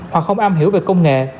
hoặc không am hiểu về công nghệ